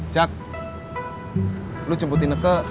jack lu jemputin ke